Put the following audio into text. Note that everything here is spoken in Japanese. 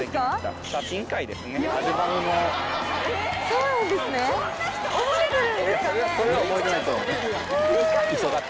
そうなんですね。